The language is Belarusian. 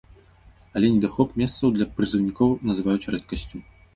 Але недахоп месцаў для прызыўнікоў называць рэдкасцю.